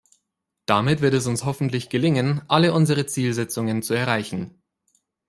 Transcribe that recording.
Damit wird es uns hoffentlich gelingen, alle unsere Zielsetzungen zu erreichen.